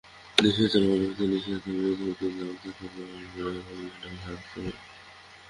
দেশে চলমান বিভিন্ন সহিংসতার বিরুদ্ধে প্রতিবাদী অবস্থান কর্মসূচি পালন করেছে বিভিন্ন গণসংগঠন।